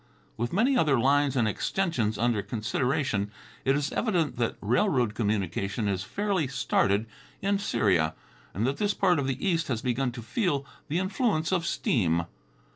With many other lines and extensions under consideration, it is evident that railroad communication is fairly started in Syria and that this part of the East has begun to feel the influence of steam.